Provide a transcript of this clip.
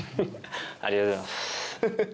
ありがとうございます。